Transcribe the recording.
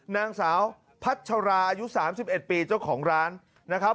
นางสาวพัชราอายุ๓๑ปีเจ้าของร้านนะครับ